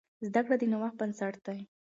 زده کړه د نوښت بنسټ دی.